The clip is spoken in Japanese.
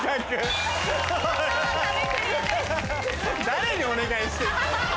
誰にお願いしてんだよ。